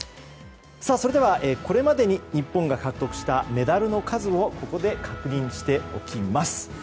それではこれまでに日本が獲得したメダルの数をここで確認しておきます。